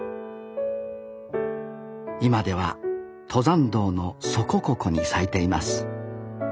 今では登山道のそこここに咲いています